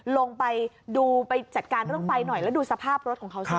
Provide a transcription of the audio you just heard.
ลงไปดูไปจัดการเรื่องไฟหน่อยแล้วดูสภาพรถของเขาสิ